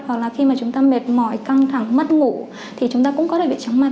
hoặc là khi mà chúng ta mệt mỏi căng thẳng mất ngủ thì chúng ta cũng có thể bị chóng mặt